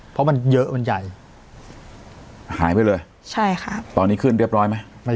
เพราะมันเยอะมันใหญ่หายไปเลยใช่ค่ะตอนนี้ขึ้นเรียบร้อยไหมไม่